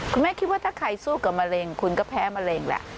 คุณแม่คิดว่าถ้าใครสู้กับมะเร็งคุณก็แพ้มะเร็งแหละ